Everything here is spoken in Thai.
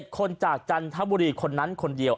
๗คนจากจันทบุรีคนนั้นคนเดียว